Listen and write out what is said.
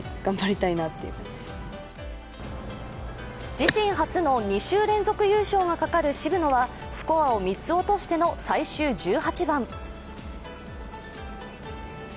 自身初の２週連続優勝がかかる渋野はスコアを３つ落としての最終１８番。